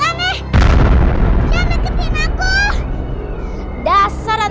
jangan lupa untuk berikan duit